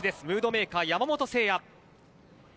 ムードメーカー、山本聖矢。